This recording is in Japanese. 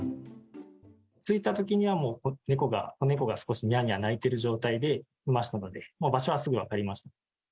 着いたときにはもう、猫が、子猫が少しにゃーにゃー鳴いてる状態でいましたので、場所はすぐ分かりました。